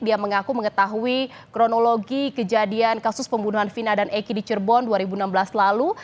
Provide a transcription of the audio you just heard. dia mengaku mengetahui kronologi kejadian kasus pembunuhan vina dan eki di cirebon dua ribu enam belas lalu